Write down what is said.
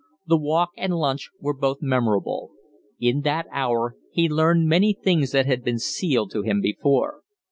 The walk and lunch were both memorable. In that hour he learned many things that had been sealed to him before.